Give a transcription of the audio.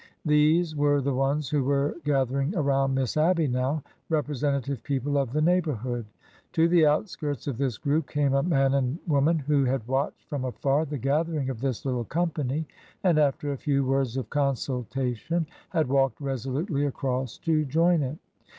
These were the ones who were gath ering around Miss Abby now— representative people of the neighborhood. To the outskirts of this group came a man and woman who had watched from afar the gather ing of this little company, and after a few words of con sultation had walked resolutely across to join it.